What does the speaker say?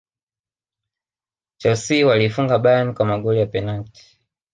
chelsea waliifunga bayern kwa magoli ya penati